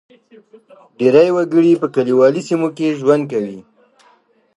ډېری وګړي په کلیوالي سیمو کې ژوند کوي.